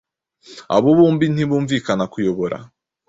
Abo bombi ntibumvikana_kuyobora